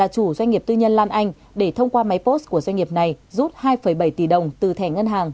doanh nghiệp tư nhân lan anh để thông qua máy post của doanh nghiệp này rút hai bảy tỷ đồng từ thẻ ngân hàng